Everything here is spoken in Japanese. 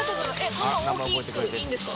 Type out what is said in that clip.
こんな大きくいいんですか？